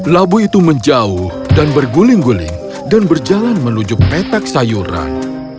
labu itu menjauh dan berguling guling dan berjalan menuju petak sayuran